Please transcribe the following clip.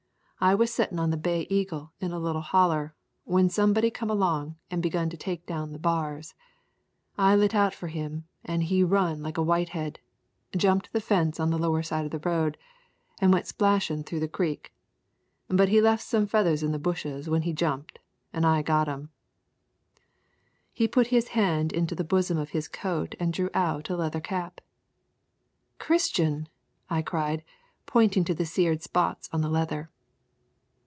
I was settin' on the Bay Eagle in a little holler, when somebody come along an' begun to take down the bars. I lit out for him, an' he run like a whitehead, jumped the fence on the lower side of the road an' went splashin' through the creek, but he left some feathers in the bushes when he jumped, an' I got 'em." He put his hand into the bosom of his coat and drew out a leather cap. "Christian," I cried, pointing to the seared spots on the leather.